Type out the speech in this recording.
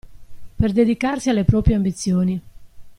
Per dedicarsi alle proprie ambizioni.